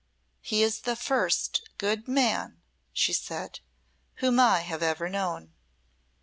"He is the first good man," she said, "whom I have ever known."